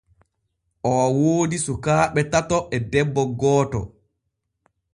Oo woodi sukaaɓe tato e debbo gooto.